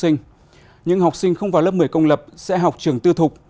những học sinh không vào lớp một mươi công lập sẽ học trường tư thục